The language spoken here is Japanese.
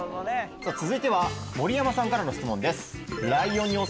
続いては盛山さんからの質問です。